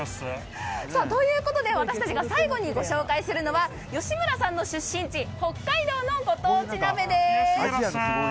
ということで私たちが最後にご紹介するのは吉村さんの出身地北海道のご当地鍋です。